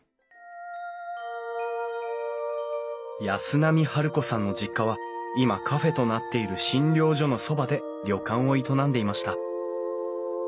安波治子さんの実家は今カフェとなっている診療所のそばで旅館を営んでいました。